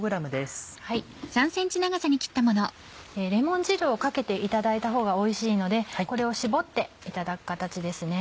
レモン汁をかけていただいたほうがおいしいのでこれを搾っていただく形ですね。